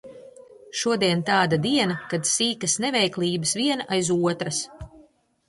Šodien tāda diena, kad sīkas neveiklības viena aiz otras.